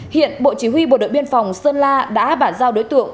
hiện bộ chỉ huy bộ đội biên phòng sơn la đã bản giao đối tượng